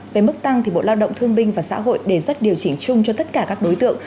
về mức tăng thì bộ lao động thương binh và xã hội đề xuất điều chỉnh chung cho tất cả các đối tượng